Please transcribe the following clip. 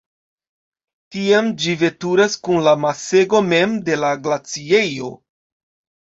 Tiam ĝi veturas kun la masego mem de la glaciejo.